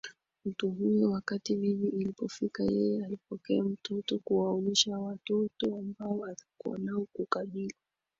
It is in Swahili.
mtu huyo Wakati bibi inapofika yeye anapokea mtoto kuwaonyesha watoto ambao atakuwa nao Kukabili